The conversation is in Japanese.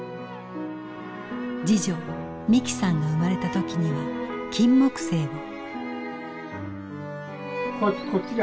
次女美紀さんが生まれた時には金木犀を。